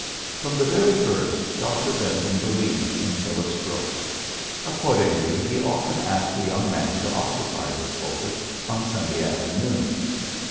From the very first, Dr. Vin ton believed in Phillips Brooks. Ac cordingly, he often asked the young man to occupy his pulpit on Sunday after noons.